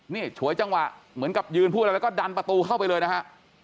นี่ฉวยจังหวะเหมือนกับยืนพูดอะไรแล้วก็ดันประตูเข้าไปเลยนะฮะ